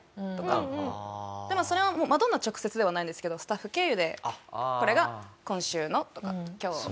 でもそれはマドンナ直接ではないんですけどスタッフ経由で「これが今週の」とかって。